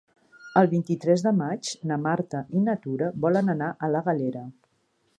El vint-i-tres de maig na Marta i na Tura volen anar a la Galera.